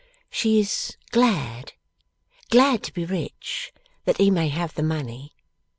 'She is glad, glad, to be rich, that he may have the money.